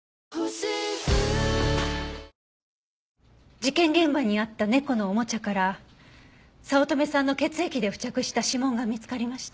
事件現場にあった猫のおもちゃから早乙女さんの血液で付着した指紋が見つかりました。